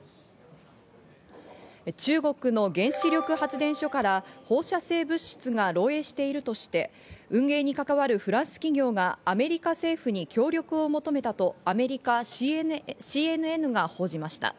中国の原子力発電所から放射性物質が漏えいしているとして運営に関わるフランス企業がアメリカ政府に協力を求めたとアメリカＣＮＮが報じました。